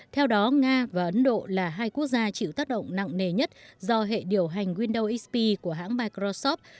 theo đó nga và ấn độ là hai quốc gia chịu tác động nặng nề nhất do hệ điều hành windowsp của hãng microsoft